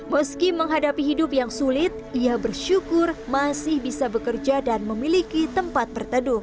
meski menghadapi hidup yang sulit ia bersyukur masih bisa bekerja dan memiliki tempat berteduh